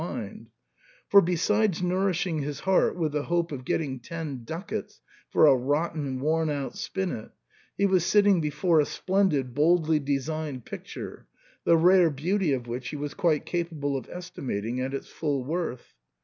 loi mind, for, besides nourishing his heart with the hope of getting ten ducats for a rotten, worn out spinet, he was sitting before a splendid, boldly designed picture, the rare beauty of which he was quite capable of esti mating at its full worth.